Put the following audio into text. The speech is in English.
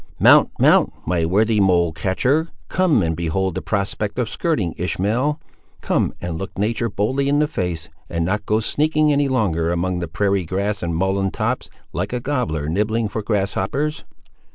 "Mount, mount, my worthy mole catcher! come and behold the prospect of skirting Ishmael; come and look nature boldly in the face, and not go sneaking any longer, among the prairie grass and mullein tops, like a gobbler nibbling for grasshoppers."